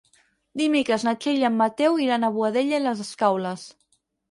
Dimecres na Txell i en Mateu iran a Boadella i les Escaules.